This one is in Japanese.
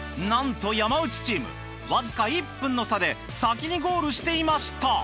なんと山内チームわずか１分の差で先にゴールしていました！